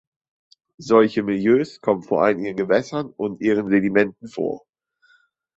Solche Milieus kommen vor allem in Gewässern und ihren Sedimenten vor.